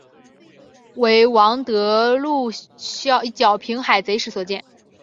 为王得禄剿平海贼时所建。